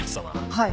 はい。